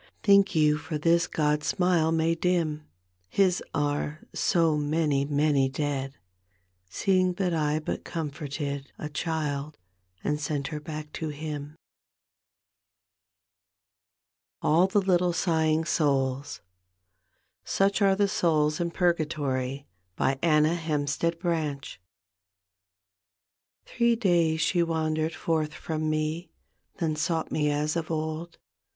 Think you for this God's smile may dim {His are so many, many dead) Seeing that I but comforted A child — and sent her back to Him ! SUCH ARE THE SOULS IN PURGATORY : ANNA HEMPSTEAD BRANCH Three days she wandered forth from me. Then sought me as of old.